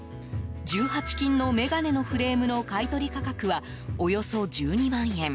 １８金の眼鏡のフレームの買い取り価格はおよそ１２万円。